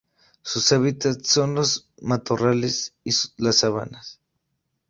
Sus hábitats son los matorrales y las sabanas.